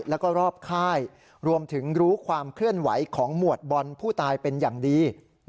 แล้วก็รอบค่ายรวมถึงรู้ความเคลื่อนไหวของหมวดบอลผู้ตายเป็นอย่างดี